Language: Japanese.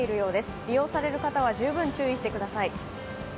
利用される方は十分注意してください。